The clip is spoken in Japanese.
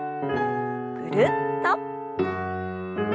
ぐるっと。